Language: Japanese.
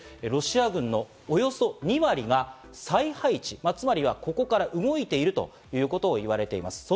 ロシア軍のおよそ２割が再配置、つまりはここから動いているということを言われています。